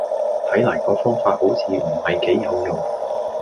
睇黎個方法好似唔係幾有用